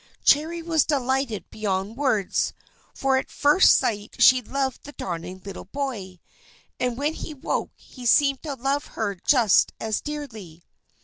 Cherry was delighted beyond words, for at first sight she loved the darling little boy. And when he woke, he seemed to love her just as dearly.